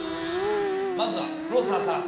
まずは黒沢さん。